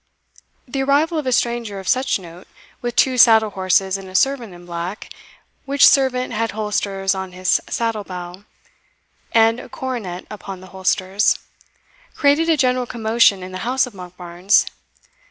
The arrival of a stranger of such note, with two saddle horses and a servant in black, which servant had holsters on his saddle bow, and a coronet upon the holsters, created a general commotion in the house of Monkbarns.